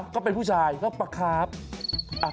ก็เป็นผู้ชายก็ปลาคราฟ